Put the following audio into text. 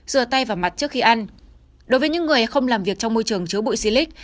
rửa tay vào mặt trước khi ăn đối với những người không làm việc trong môi trường chứa bụi xi lít